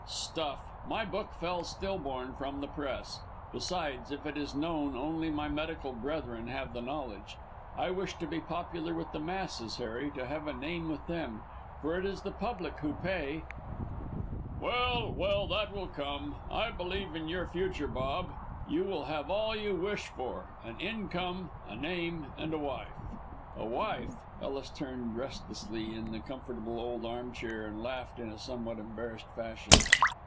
"Stuff! My book fell still born from the Press. Besides, if it is known, only my medical brethren have the knowledge. I wish to be popular with the masses, Harry, to have a name with them, for it is the public who pay." "Well, well, that will come. I believe in your future, Bob. You will have all you wish for an income, a name, and a wife." "A wife!" Ellis turned restlessly in the comfortable old arm chair, and laughed in a somewhat embarrassed fashion.